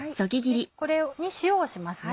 これに塩をしますね。